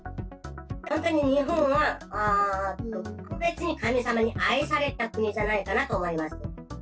本当に日本は特別に神様に愛された国じゃないかなと思います。